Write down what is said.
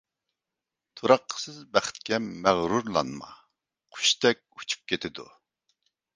تۇراقسىز بەختكە مەغرۇرلانما قۇشتەك ئۇچۇپ كېتىدۇ.